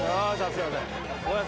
すいません。